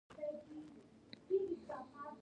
دښمنۍ بربادۍ خبرې کولې